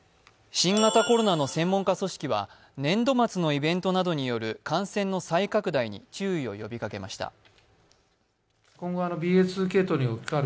新型コロナの専門家組織は年度末のイベントなどによる感染の再拡大に注意を呼びかけました。